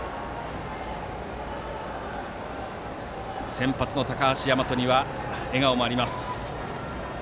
先発の高橋大和には笑顔もあります。